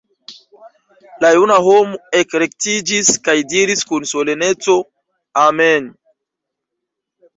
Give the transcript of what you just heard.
La juna homo elrektiĝis kaj diris kun soleneco: -- Amen!